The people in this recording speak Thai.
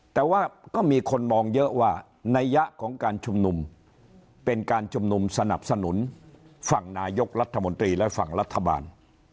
แต่ว่าก็มีคนมองเยอะว่านัยยะของการชุมนุมเป็นการชุมนุมสนับสนุนฝั่งนายกรัฐมนตรีและฝั่งรัฐบาล